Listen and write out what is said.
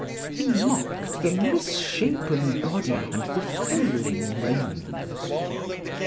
He mocked the misshapen body and the failing limbs."